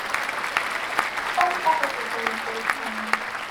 Ḥulfaɣ i tzenzelt-nni.